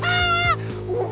dia mau bunuh diri